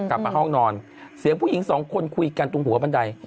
กลับมาห้องนอนเสียงผู้หญิงสองคนคุยกันตรงหัวบันได